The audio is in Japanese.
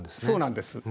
そうなんです。